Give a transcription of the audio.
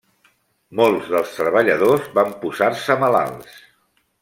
Molts dels treballadors van posar-se malalts.